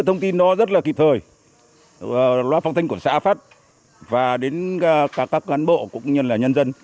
thông tin nó rất là kịp thời loa phóng thanh của xã phát và đến các cán bộ cũng như là nhân dân